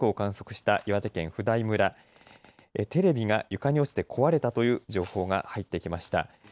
震度５弱を観測した岩手県普代村テレビが床に落ちて壊れたという情報が入ってきました。